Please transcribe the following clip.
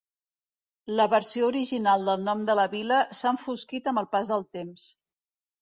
La versió original del nom de la vila s'ha enfosquit amb el pas dels temps.